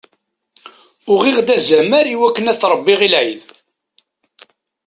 Uɣeɣ-d azamar iwakken ad t-rebbiɣ i lɛid.